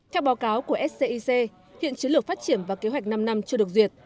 theo báo cáo của scic hiện chiến lược phát triển và kế hoạch năm năm chưa được duyệt